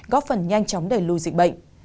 góp phần nhanh chóng đẩy lùi dịch bệnh